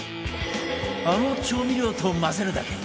あの調味料と混ぜるだけ！